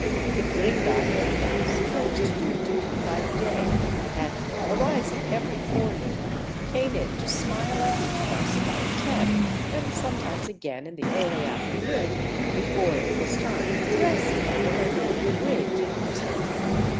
The " gringa " head nurse chose to do duty by day, and arising every forenoon, came in to smile at each of us about ten, and sometimes again in the early afternoon, before it was time to dress for her daily " bridge " and tea.